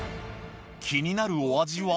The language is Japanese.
気になるお味は？